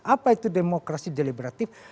apa itu demokrasi deliberatif